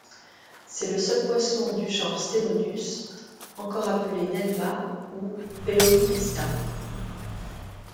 C'est le seul poisson du genre Stenodus, encore appelé nelma ou belorybitsa.